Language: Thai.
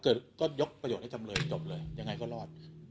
ก็ยกประโยคให้ทำเลยจบเลยยังไงบ้างจะรอด